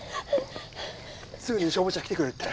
すぐに消防車来てくれるって。